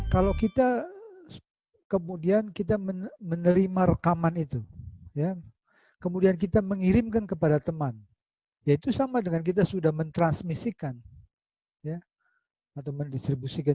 kalau kita kemudian kita menerima rekaman itu kemudian kita mengirimkan kepada teman ya itu sama dengan kita sudah mentransmisikan atau mendistribusikan